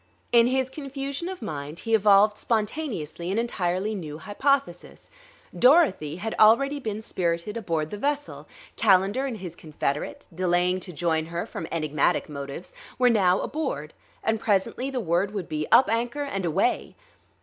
In his confusion of mind he evolved spontaneously an entirely new hypothesis: Dorothy had already been spirited aboard the vessel; Calendar and his confederate, delaying to join her from enigmatic motives, were now aboard; and presently the word would be, Up anchor and away!